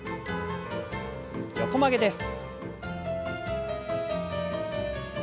横曲げです。